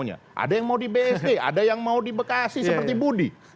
ada yang mau di bsd ada yang mau di bekasi seperti budi